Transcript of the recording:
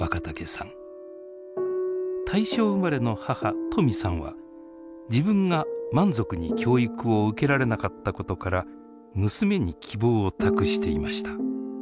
大正生まれの母トミさんは自分が満足に教育を受けられなかったことから娘に希望を託していました。